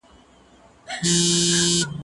کېدای سي مځکه وچه وي!؟